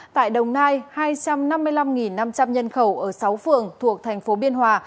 tại đồng nai hai trăm năm mươi năm năm trăm linh nhân khẩu ở sáu phường thuộc thành phố biên hòa